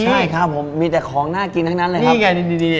ใช่ครับผมมีแต่ของน่ากินทั้งนั้นเลยครับ